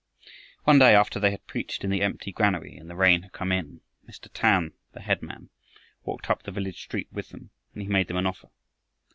One day, after they had preached in the empty granary and the rain had come in, Mr. Tan, the headman, walked up the village street with them, and he made them an offer.